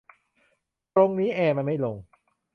ตรงนี้แอร์มันไม่ลง